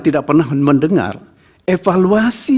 tidak pernah mendengar evaluasi